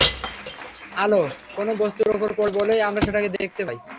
আলো কোনো বস্তুর ওপর পড়ে বলেই আমরা সেটাকে দেখতে পাই।